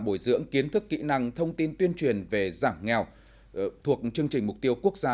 bồi dưỡng kiến thức kỹ năng thông tin tuyên truyền về giảm nghèo thuộc chương trình mục tiêu quốc gia